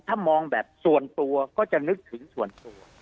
ถ้ามองแบบส่วนตัวก็จะนึกถึงส่วนตัว